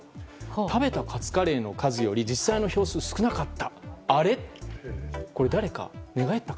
食べたカツカレーの数より実際の票数が少なかった。